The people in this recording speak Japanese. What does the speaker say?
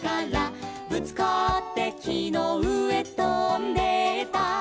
「ぶつかってきのうえとんでった」